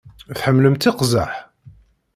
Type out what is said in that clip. Tḥemmlemt iqzaḥ?